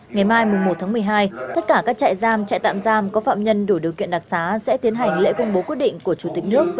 ngày mai một tháng một mươi hai tất cả các trại giam trại tạm giam có phạm nhân đủ điều kiện đặc xá sẽ tiến hành lễ công bố quyết định của chủ tịch nước